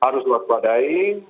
harus luar badai